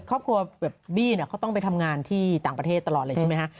ครอบครัวแบบบี้เนี่ยเขาต้องไปทำงานที่ต่างประเทศตลอดเลยใช่ไหมฮะ